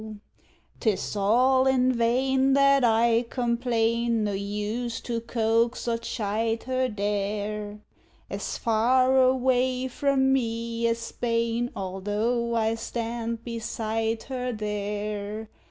'Tis all in vain that I complain; No use to coax or chide her there; As far away from me as Spain, Although I stand beside her there.